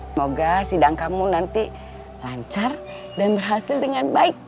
semoga sidang kamu nanti lancar dan berhasil dengan baik